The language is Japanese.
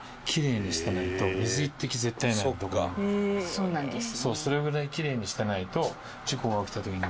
そうなんですね。